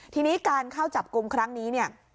ทีนี้การเข้าจับกลุ่มครั้งนี้เนี่ย